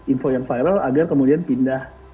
info yang viral agar kemudian pindah